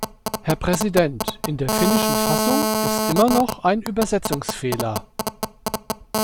Herr Präsident, in der finnischen Fassung ist immer noch ein Übersetzungsfehler.